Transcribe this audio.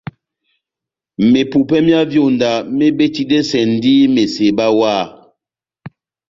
Mepupè myá vyonda mebetidɛsɛndi meseba wah.